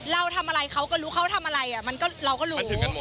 เราทำอะไรเขาก็รู้เขาทำอะไรเราก็รู้